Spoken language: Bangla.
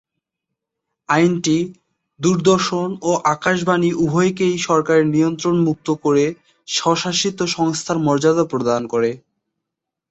আইনটি দূরদর্শন ও আকাশবাণী উভয়কেই সরকারের নিয়ন্ত্রণ মুক্ত করে স্বশাসিত সংস্থার মর্যাদা প্রদান করে।